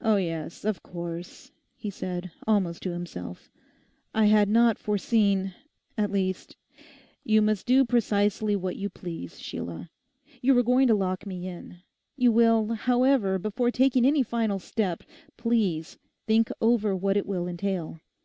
'Oh yes, of course,' he said, almost to himself, 'I had not foreseen—at least—you must do precisely what you please, Sheila. You were going to lock me in. You will, however, before taking any final step, please think over what it will entail.